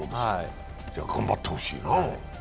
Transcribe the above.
じゃ頑張ってほしいな。